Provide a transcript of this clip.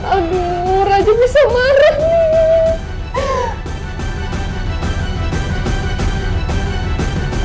aduh rajin bisa marah nih